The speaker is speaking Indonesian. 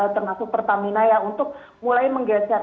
termasuk pertamina ya untuk mulai menggeser